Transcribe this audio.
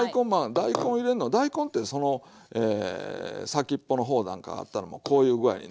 大根入れんの大根って先っぽの方なんかあったらもうこういう具合にね。